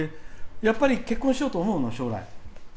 やっぱり結婚しようと思うの？